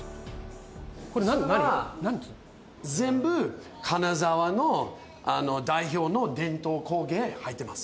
これは、全部、金沢の代表の伝統工芸入ってます。